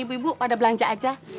mas apa kamu sebanyak ini